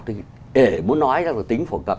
thì để muốn nói là tính phổ cập